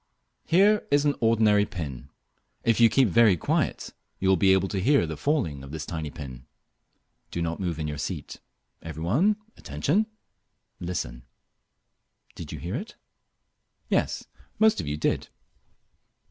Here is an ordinary pin. If you keep very quiet you will be able to hear the falling of this tiny pin. Do not move in your seat. Every one, attention! Listen. Did you hear it? Yes, most of you did.